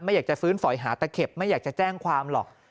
อยากจะฟื้นฝอยหาตะเข็บไม่อยากจะแจ้งความหรอก